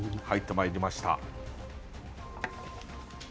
入ってまいりました。